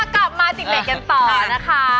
กลับมาติดเบรกกันต่อนะคะ